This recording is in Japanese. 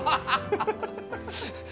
ハハハハ！